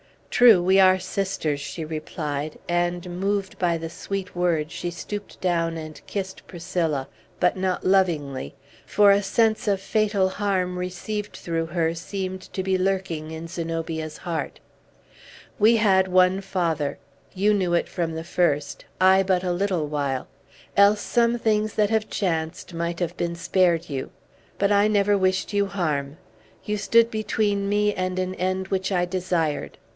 "True, we are sisters!" she replied; and, moved by the sweet word, she stooped down and kissed Priscilla; but not lovingly, for a sense of fatal harm received through her seemed to be lurking in Zenobia's heart. "We had one father! You knew it from the first; I, but a little while, else some things that have chanced might have been spared you. But I never wished you harm. You stood between me and an end which I desired.